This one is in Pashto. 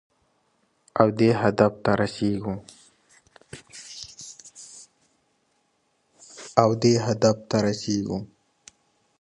او دې هدف ته رسېږو.